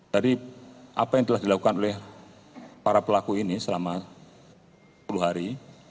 tadi apa yang telah dilakukan oleh para pelaku ini selama sepuluh hari